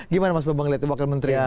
gimana mas bambang melihat wakil menteri ini